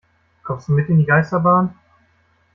Kommst du mit in die Geisterbahn?